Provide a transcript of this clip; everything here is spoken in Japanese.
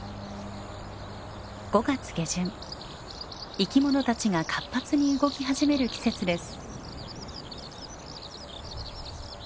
生き物たちが活発に動き始める季節です。